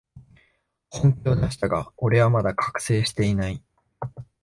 本気を出したが、俺はまだ覚醒してない